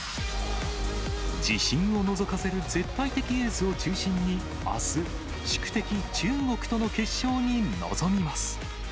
自信をのぞかせる絶対的エースを中心に、あす、宿敵、中国との決勝に臨みます。